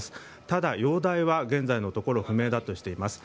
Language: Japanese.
ただ、容体は現在のところ不明だとしています。